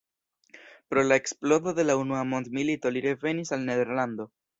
Pro la eksplodo de la Unua Mondmilito li revenis al Nederlando.